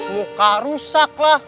muka rusak lah